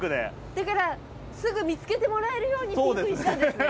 だからすぐ見つけてもらえるようにピンクにしたんですね。